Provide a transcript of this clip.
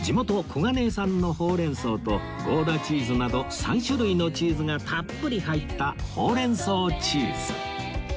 小金井産のほうれん草とゴーダチーズなど３種類のチーズがたっぷり入ったほうれん草チーズ